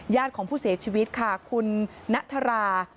ญาติของผู้เสียชีวิตค่ะคุณณะทารา